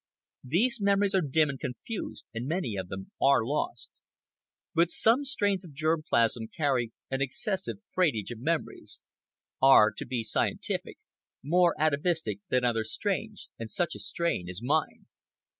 These memories are dim and confused, and many of them are lost. But some strains of germplasm carry an excessive freightage of memories—are, to be scientific, more atavistic than other strains; and such a strain is mine.